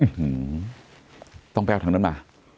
อื้อหือต้องแปลวทั้งนั้นมา